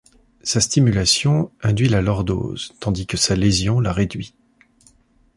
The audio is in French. Sa stimulation induit la lordose, tandis que sa lésion la réduit.